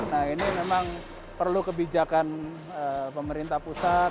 nah ini memang perlu kebijakan pemerintah pusat